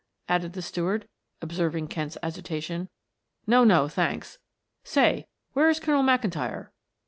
added the steward observing Kent's agitation. "No, no, thanks. Say, where is Colonel McIntyre?"